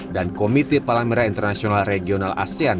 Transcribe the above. dan komite palang merah internasional regional asean